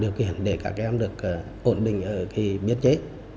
điều kiện để các em được ổn định ở biên chế